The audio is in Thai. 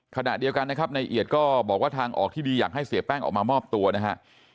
ขณะเดียวกันนะครับในเอียดก็บอกว่าทางออกที่ดีอยากให้เสียแป้งออกมามอบตัวนะฮะ